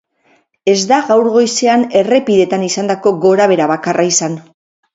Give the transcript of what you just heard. Ez da gaur goizean errepideetan izandako gorabehera bakarra izan.